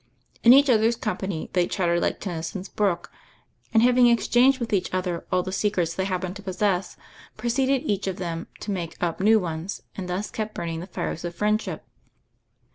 In each other's company they chattered like Tennyson's brook, and having exchanged with each other all the secrets they happened to possess, proceeded, each of them, to make up new ones, and thus kept burning the fires of friendship.